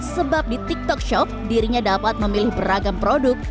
sebab di tiktok shop dirinya dapat memilih beragam produk